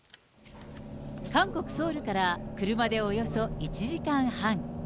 韓国・ソウルから車でおよそ１時間半。